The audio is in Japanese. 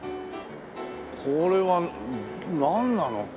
これはなんなの？